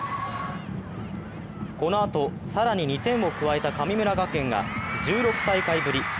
このあと、更に２点を加えた神村学園が１６大会ぶり